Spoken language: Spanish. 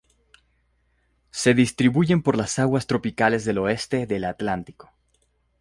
Se distribuyen por las aguas tropicales del oeste del Atlántico.